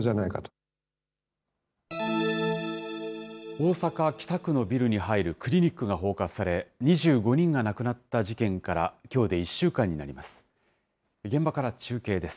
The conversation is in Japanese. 大阪・北区のビルに入るクリニックが放火され、２５人が亡くなった事件からきょうで１週間になります。